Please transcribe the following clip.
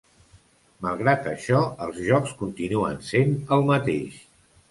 Malgrat això, els jocs continuen sent el mateix.